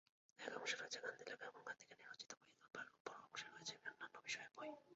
এক অংশে রয়েছে গান্ধীর লেখা বা গান্ধীকে নিয়ে রচিত বই আর অপর অংশে রয়েছে অন্যান্য বিষয়ের বই।